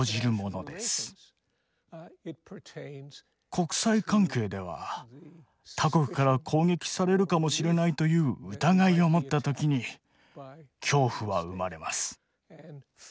国際関係では他国から攻撃されるかもしれないという疑いを持った時に恐怖は生まれます。